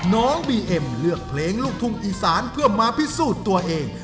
น้องบีเอ็มเลือกเพลงลูกทุ่งอีสานเพื่อมาพิสูจน์ตัวเอง